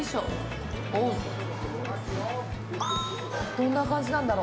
どんな感じなんだろう。